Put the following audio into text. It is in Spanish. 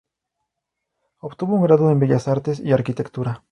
Obtuvo un grado en bellas artes y arquitectura.